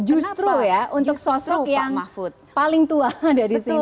untuk sosok yang paling tua ada di sini